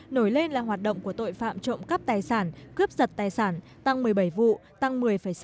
nổi lên là hoạt động của tội phạm trộm cắp tài sản cướp giật tài sản tăng một mươi bảy vụ tăng một mươi sáu